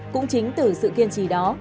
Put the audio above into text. cũng chính từ sự kiên trì đó